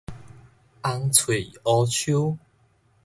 紅喙烏鶖